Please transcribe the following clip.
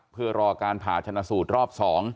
เพื่อรอการผ่าชนะสูตรรอบ๒